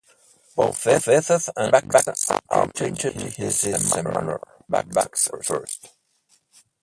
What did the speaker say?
Both faces and backs are printed in this manner - backs first.